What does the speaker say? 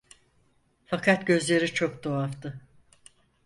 Fakat gözleri çok tuhaftı.